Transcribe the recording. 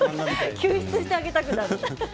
救出してあげたくなりますね。